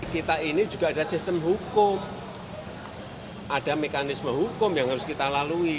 kita ini juga ada sistem hukum ada mekanisme hukum yang harus kita lalui